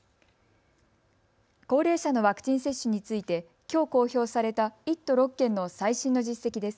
高齢者のワクチン接種についてきょう公表された１都６県の最新の実績です。